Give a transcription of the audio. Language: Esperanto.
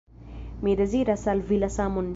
Mi deziras al vi la samon!